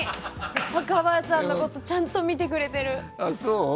若林さんのことちゃんと見てくれてる。